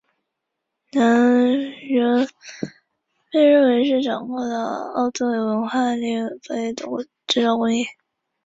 能人被认为是掌握了奥杜韦文化时期利用薄岩片和石芯的制造工艺。